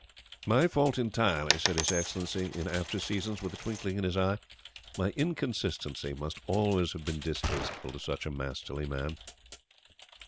"My fault entirely," said His Excellency, in after seasons, with a twinkling in his eye. "My inconsistency must always have been distasteful to such a masterly man."